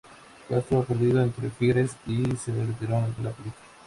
Castro perdió ante Figueres y se retiró de la política.